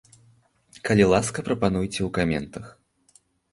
Калі ласка, прапануйце ў каментах.